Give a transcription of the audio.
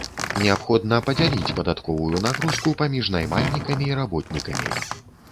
Неабходна падзяліць падатковую нагрузку паміж наймальнікамі і работнікамі.